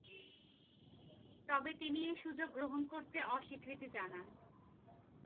তবে, তিনি এ সুযোগ গ্রহণ করতে অস্বীকৃতি জানান।